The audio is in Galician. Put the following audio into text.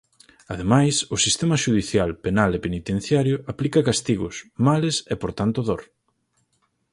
Ademais, o sistema xudicial penal e penitenciario aplica castigos, males e por tanto dor.